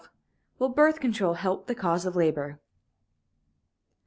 CHAPTER XII WILL BIRTH CONTROL HELP THE CAUSE OF LABOR?